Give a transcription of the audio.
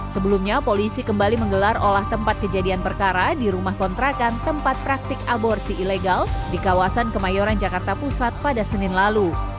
sebelumnya polisi kembali menggelar olah tempat kejadian perkara di rumah kontrakan tempat praktik aborsi ilegal di kawasan kemayoran jakarta pusat pada senin lalu